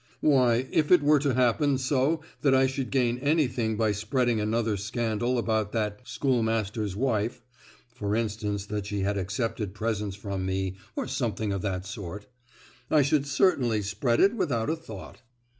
Why, if it were to happen so that I should gain anything by spreading another scandal about that schoolmaster's wife, (for instance, that she had accepted presents from me, or something of that sort), I should certainly spread it without a thought."